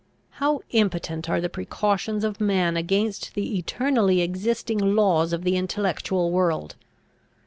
How impotent are the precautions of man against the eternally existing laws of the intellectual world!